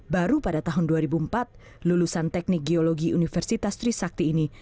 baru pada tahun dua ribu empat lulusan teknik geologi universitas trisakti ini